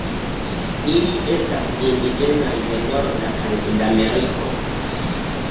Ili estas indiĝenaj de Norda kaj Sudameriko.